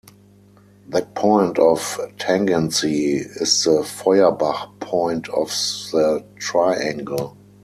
That point of tangency is the Feuerbach point of the triangle.